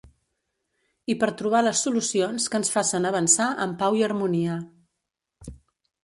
I per trobar les solucions que ens facen avançar en pau i harmonia.